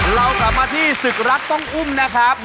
เรากลับมาที่ศึกรักต้องอุ้มนะครับ